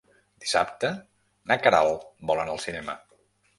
Dissabte na Queralt vol anar al cinema.